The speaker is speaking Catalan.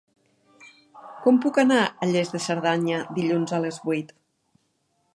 Com puc anar a Lles de Cerdanya dilluns a les vuit?